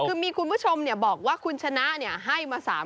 คือมีคุณผู้ชมบอกว่าคุณชนะให้มา๓งวดเข้าไปแล้ว๒